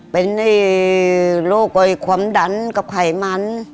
เป็นโรคความดันกับไขมัน